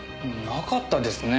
なかったですね。